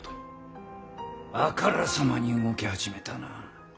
あからさまに動き始めたな。